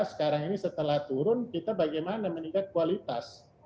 sekarang ini setelah turun kita bagaimana meningkat kualitas